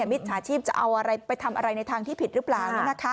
มิจฉาชีพจะเอาอะไรไปทำอะไรในทางที่ผิดหรือเปล่า